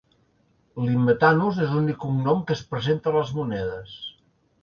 "Limetanus" és l'únic cognom que es presenta a les monedes.